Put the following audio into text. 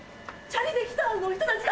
「チャリで来た」の人たち！